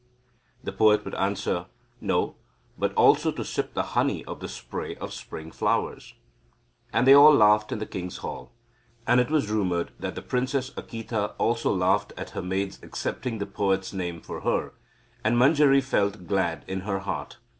The poet would answer; "No, but also to sip the honey of the spray of spring flowers." And they all laughed in the king's hall. And it was rumoured that the Princess Akita also laughed at her maid's accepting the poet's name for her, and Manjari felt glad in her heart.